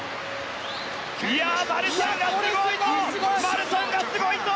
マルシャンがすごいぞ！